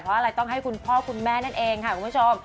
เพราะอะไรต้องให้คุณพ่อคุณแม่นั่นเองค่ะคุณผู้ชม